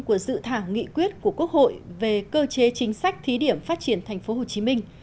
của dự thảo nghị quyết của quốc hội về cơ chế chính sách thí điểm phát triển thành phố hồ chí minh